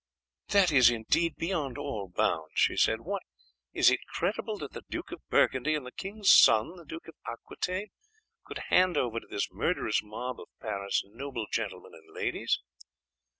"This is, indeed, beyond all bounds," she said. "What, is it credible that the Duke of Burgundy and the king's son, the Duke of Aquitaine, can hand over to this murderous mob of Paris noble gentlemen and ladies?"